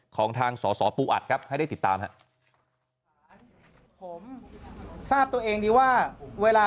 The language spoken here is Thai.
ของทางสปูอัดครับให้ได้ติดตามผมทราบตัวเองดีว่าเวลา